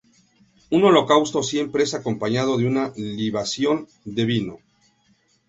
Un holocausto siempre es acompañado de una libación de vino.